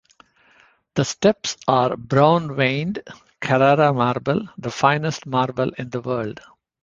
The steps are brown-veined Carrara marble, the finest marble in the world.